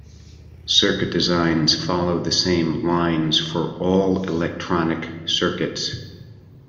Circuit design follows the same lines for all electronic circuits.